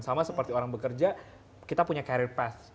sama seperti orang bekerja kita punya career path